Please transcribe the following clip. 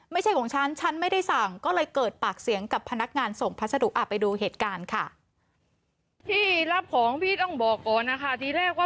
ไม่ใช่ของฉันฉันไม่ได้สั่งก็เลยเกิดปากเสียงกับพนักงานส่งพัสดุไปดูเหตุการณ์ค่ะ